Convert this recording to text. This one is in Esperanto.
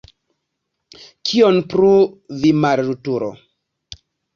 Kion plu, vi mallertulo!